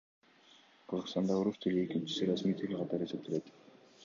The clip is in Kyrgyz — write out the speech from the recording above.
Кыргызстанда орус тили экинчи расмий тил катары эсептелет.